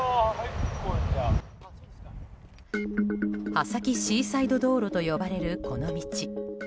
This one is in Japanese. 波崎シーサイド道路と呼ばれるこの道。